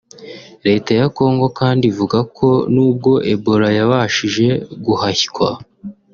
Leta ya Congo kandi ivuga ko n’ubwo Ebola yabashije guhashywa